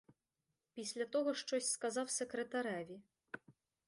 Після того щось сказав секретареві.